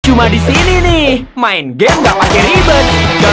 cuma disini nih main game gak pake ribet